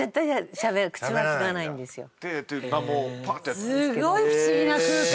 すごい不思議な空間。